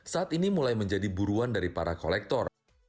saat ini mulai menjadi buruan dari para kolektor